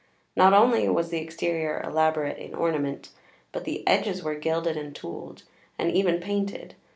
Not only was the exterior elaborate in ornament, but the edges were gilded and tooled; and even painted.